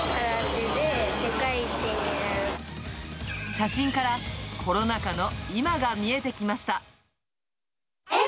写真からコロナ禍の今が見えてきました。